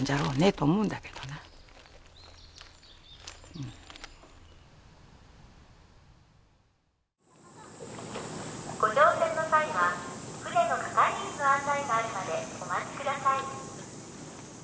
うんご乗船の際は船の係員の案内があるまでお待ちください